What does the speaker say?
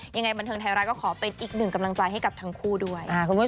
ยังไงบรรเทิงไทยไลน์ก็ขอเป็นอีกหนึ่งกำลังใจให้กับทั้งคู่ด้วย